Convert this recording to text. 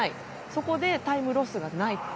そこでタイムロスがない。